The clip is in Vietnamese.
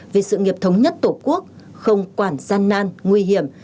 vì sự nghiệp thống nhất tổ quốc không quản gian nan nguy hiểm